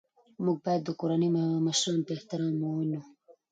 موږ باید د کورنۍ مشران په احترام ووینو